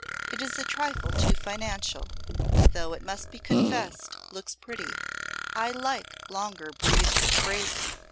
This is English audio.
It is a trifle too finical, though it must be confessed looks pretty. I like longer breathed phrasing.